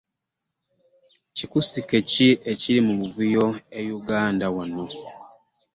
Kikkusike kki ekiri mubuvuyo e'uganda wano?